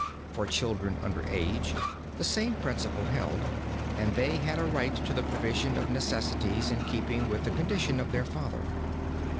For children under age the same principle held and they had a right to the provision of necessaries in keeping with the condition of their father.